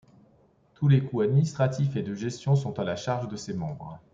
Tous les coûts administratifs et de gestion sont à la charge de ses membres.